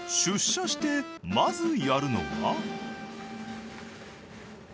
出社してまずやるのが。